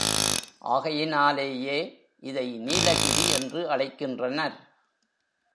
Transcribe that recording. ஆகையினாலேயே இதை நீலகிரி என்று அழைக்கின்றனர்.